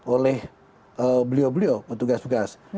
oleh beliau beliau petugas petugas